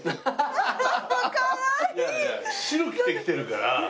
白着てきてるから。